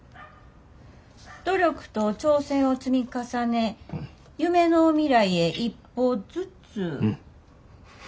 「努力と挑戦を積み重ね夢の未来へ一歩ずつ」か。